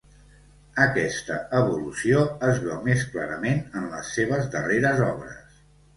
Aquesta evolució es veu més clarament en les seves darreres obres.